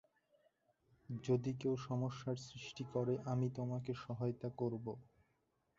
যদি কেউ সমস্যার সৃষ্টি করে, আমি তোমাকে সহায়তা করবো।